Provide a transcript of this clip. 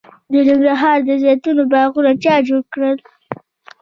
د ننګرهار د زیتون باغونه چا جوړ کړل؟